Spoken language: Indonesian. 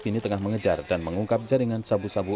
kini tengah mengejar dan mengungkap jaringan sabu sabu